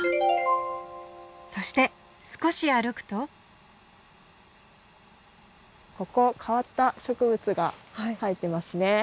そして少し歩くとここ変わった植物が生えてますね。